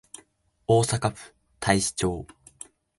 大阪府太子町